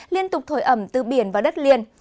liên tục thổi ẩm từ biển và đất liền